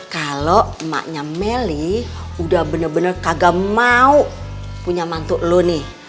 kalo emaknya meli udah bener bener kagak mau punya mantu lu nih